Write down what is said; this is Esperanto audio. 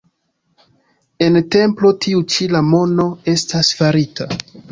En templo tiu ĉi la mono estas farita.